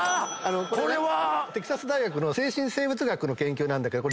これねテキサス大学の精神生物学の研究なんだけど。